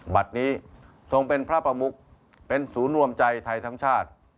บัตรนี้ทรงเป็นพระประมุกเป็นศูนย์รวมใจไทยทั้งชาติ